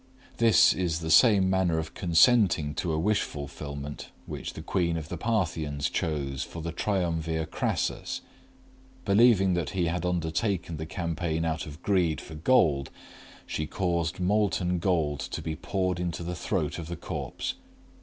This is the same manner of consenting to a wish fulfillment which the queen of the Parthians chose for the triumvir Crassus. Believing that he had undertaken the campaign out of greed for gold, she caused molten gold to be poured into the throat of the corpse.